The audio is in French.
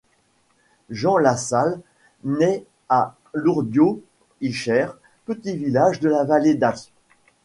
Jean Lassalle naît à Lourdios-Ichère, petit village de la vallée d'Aspe.